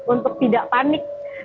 untuk tidak panik